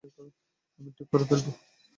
আমি ঠিক করে ফেলব।